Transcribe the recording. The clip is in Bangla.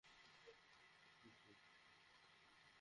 অনেক কথাই দ্বিরুক্ত হবে।